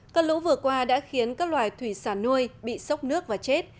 cơn lũ vừa qua đã khiến các loài thủy sản nuôi bị sốc nước và chết